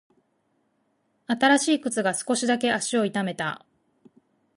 新しい靴が少しだけ足を痛めた。